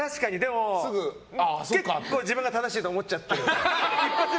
結構自分が正しいと思っちゃってる。